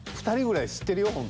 ２人ぐらい知ってるよ